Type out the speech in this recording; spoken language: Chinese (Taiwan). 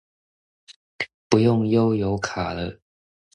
不用悠遊卡了！